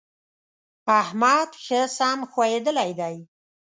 احمد ښه سم ښويېدلی دی.